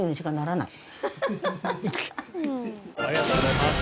ありがとうございます。